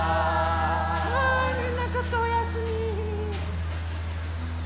はいみんなちょっとおやすみ。